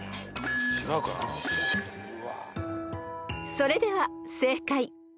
［それでは正解］